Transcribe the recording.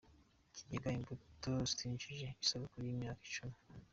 Ikigega Imbuto CyIzihije isabukuru y’imyaka Icumi